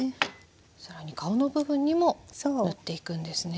さらに顔の部分にも塗っていくんですね。